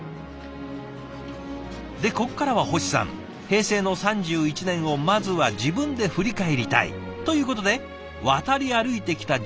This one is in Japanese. でここからは星さん平成の３１年をまずは自分で振り返りたい。ということで渡り歩いてきた１０の社食。